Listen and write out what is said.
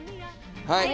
はい。